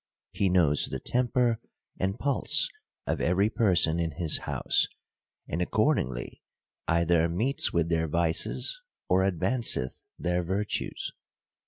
He knows the temper and pulse of every person in his house ; and, accordingly, either meets with their vices, or advanceth their virtues.